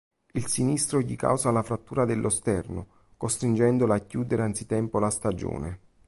Il sinistro gli causa la frattura dello sterno, costringendolo a chiudere anzitempo la stagione.